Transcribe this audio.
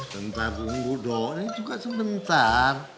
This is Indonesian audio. sebentar bung budo ini juga sebentar